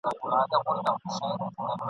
له درنو درنوبارو وم تښتېدلی !.